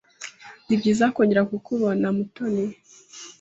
Nibyiza kongera kukubona, Mutoni.